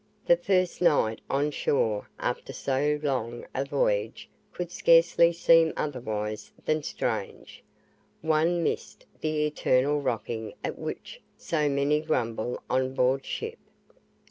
The first night on shore after so long a voyage could scarcely seem otherwise than strange, one missed the eternal rocking at which so many grumble on board ship.